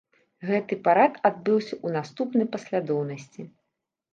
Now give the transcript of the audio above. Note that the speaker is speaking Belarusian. Гэты парад адбыўся ў наступнай паслядоўнасці.